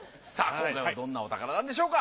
今回はどんなお宝なんでしょうか？